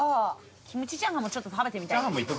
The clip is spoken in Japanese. キムチ炒飯もちょっと食べてみたい。